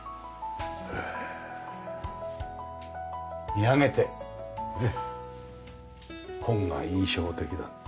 極めて本が印象的だった。